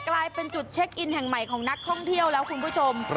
กลายเป็นจุดเช็คอินแห่งใหม่ของนักท่องเที่ยวแล้วคุณผู้ชม